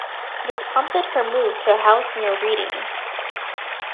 This prompted her move to a house near Reading.